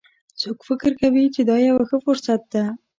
څوک فکر کوي چې دا یوه ښه فرصت ده